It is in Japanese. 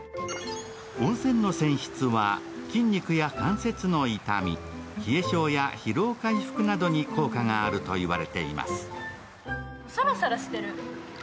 温泉の泉質は筋肉や関節の痛み、冷え性や疲労回復などに効果があると言われています。